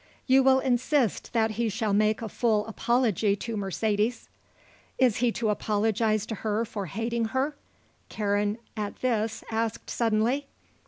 "You will insist that he shall make a full apology to Mercedes?" "Is he to apologise to her for hating her?" Karen at this asked suddenly.